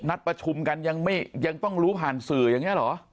นัดประชุมกันยังต้องรู้ผ่านสื่ออย่างนี้เหรอ